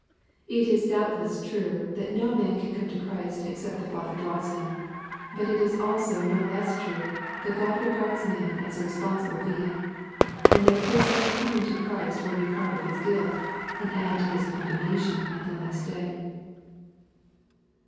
It is doubtless true that no man can come to Christ except the Father draws him. But it is also no less true that God re gards man as a responsible being, and that his not coming to Christ will be part of his guilt, and add to his condemnation at the last day.